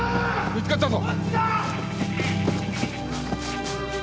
見つかったぞ。